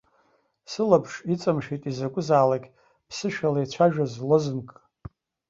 Сылаԥш иҵамшәеит изакәызаалак ԥсышәала ицәажәоз лозунгк.